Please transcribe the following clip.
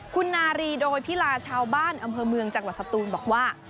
คุณนารีโดยพิลาชาวบ้านอำเภอเมืองจังหวัดสตูนบอกว่า